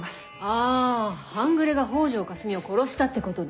あぁ半グレが北條かすみを殺したってことね？